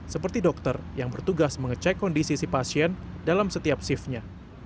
seperti dokter yang bertugas mengecek kondisi si pasien dalam setiap shiftnya